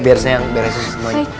biar sayang beresin semuanya